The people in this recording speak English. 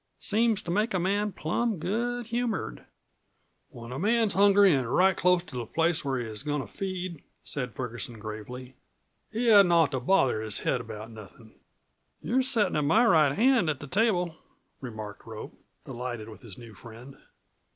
Seems to make a man plum good humored." "When a man's hungry an' right close to the place where he's goin' to feed," said Ferguson gravely, "he hadn't ought to bother his head about nothin'." "You're settin' at my right hand at the table," remarked Rope, delighted with his new friend.